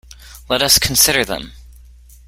Let us consider them!